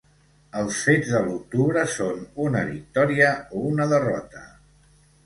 Els fets de l’octubre són una victòria o una derrota?